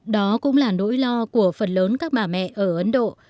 đó cũng là nỗi lo của phần lớn các bà mẹ ở ấn độ